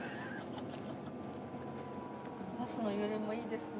バスの揺れもいいですね。